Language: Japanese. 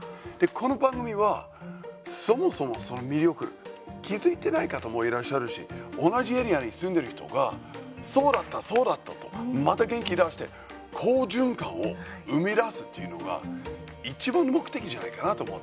この番組は、そもそもその魅力気付いてない方もいらっしゃるし同じエリアに住んでる人がそうだった、そうだったとまた元気出して好循環を生み出すというのがいちばんの目的じゃないかなと思うんです。